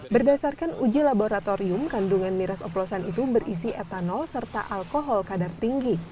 berdasarkan uji laboratorium kandungan miras oplosan itu berisi etanol serta alkohol kadar tinggi